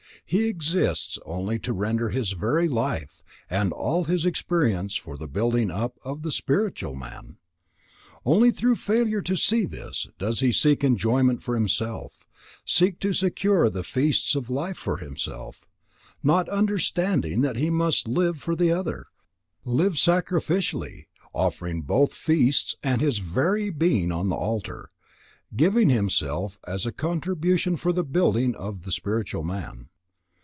He exists only to render his very life and all his experience for the building up of the spiritual man. Only through failure to see this, does he seek enjoyment for himself, seek to secure the feasts of life for himself; not understanding that he must live for the other, live sacrificially, offering both feasts and his very being on the altar; giving himself as a contribution for the building of the spiritual man.